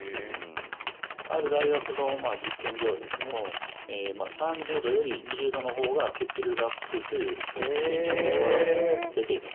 ある大学の実験では３０度より２０度の方が血流がアップするという研究結果が出ています。